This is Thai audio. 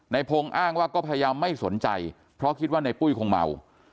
พงศ์อ้างว่าก็พยายามไม่สนใจเพราะคิดว่าในปุ้ยคงเมา